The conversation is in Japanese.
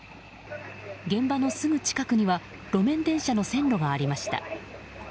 現場のすぐ近くには路面電車の線路がありました。